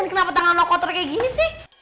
kenapa tangan lo kotor kayak gini sih